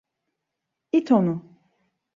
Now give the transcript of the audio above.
İt onu!